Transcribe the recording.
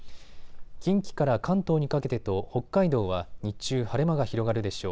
近畿から関東にかけてと北海道は日中晴れ間が広がるでしょう。